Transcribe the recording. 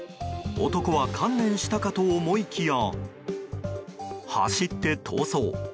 男は、観念したかと思いきや走って逃走。